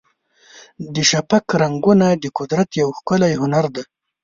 د شفق رنګونه د قدرت یو ښکلی هنر دی.